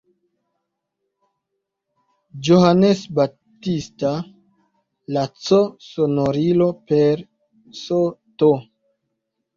Johannes Baptista“, la c-sonorilo per „St.